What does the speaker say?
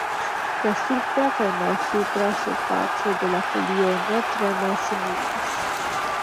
La supra kaj malsupra surfaco de la folio ne tre malsimilas.